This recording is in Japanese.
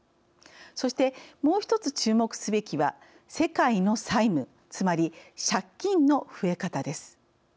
そして、もう１つ注目すべきは世界の債務つまり、借金の増え方です。